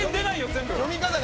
全部。